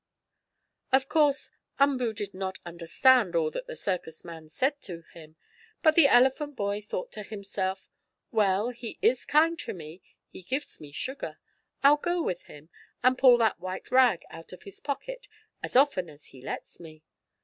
Of course Umboo did not understand all that the circus man said to him, but the elephant boy thought to himself: "Well, he is kind to me. He gives me sugar. I'll go with him, and pull that white rag out of his pocket as often as he lets me.